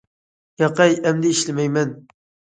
- ياقەي، ئەمدى ئىشلىمەيمەن.